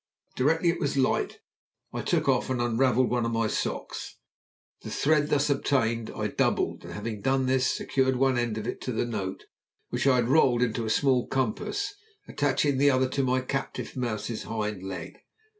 Directly it was light I took off and unravelled one of my socks. The thread thus obtained I doubled, and having done this, secured one end of it to the note, which I had rolled into a small compass, attaching the other to my captive mouse's hind leg.